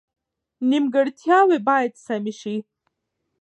نیمګړتیاوې باید سمې شي.